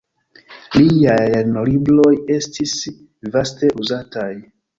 Liaj lernolibroj estis vaste uzataj.